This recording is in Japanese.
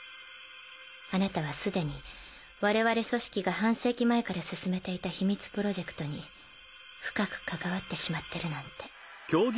あなたはすでに我々組織が半世紀前から進めていた秘密プロジェクトに深く関わってしまってるなんて